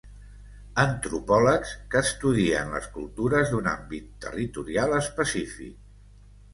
Antropòlegs que estudien les cultures d'un àmbit territorial específic.